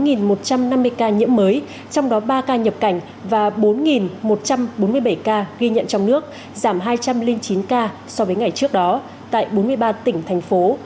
trong một một trăm năm mươi ca nhiễm mới trong đó ba ca nhập cảnh và bốn một trăm bốn mươi bảy ca ghi nhận trong nước giảm hai trăm linh chín ca so với ngày trước đó tại bốn mươi ba tỉnh thành phố